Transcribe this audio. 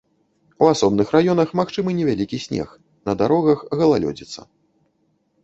У асобных раёнах магчымы невялікі снег, на дарогах галалёдзіца.